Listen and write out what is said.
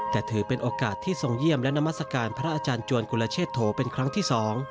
แต่ถือเป็นโอกาสที่ทรงเยี่ยมและนามัศกาลพระอาจารย์จวนกุลเชษโถเป็นครั้งที่๒